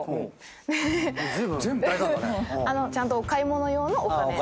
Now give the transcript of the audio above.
全部⁉ちゃんとお買い物用のお金。